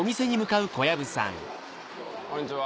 こんにちは。